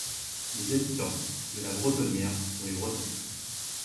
Les habitants de La Bretonnière sont les Bretons.